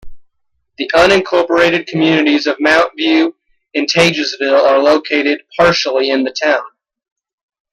The unincorporated communities of Mount View and Taegesville are located partially in the town.